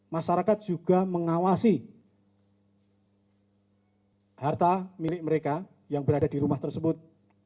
masyarakat juga mengawasi harta milik mereka yang berada di rumah tersebut